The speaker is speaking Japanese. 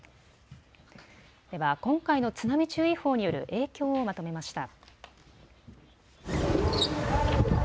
では今回の津波注意報による影響をまとめました。